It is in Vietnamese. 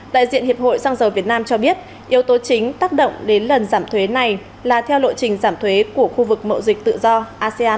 đại diện hiệp hội xăng dầu việt nam cho biết yếu tố chính tác động đến lần giảm thuế này là theo lộ trình giảm thuế của khu vực mậu dịch tự do asean